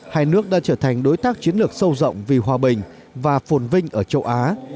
hai nước đã trở thành đối tác chiến lược sâu rộng vì hòa bình và phồn vinh ở châu á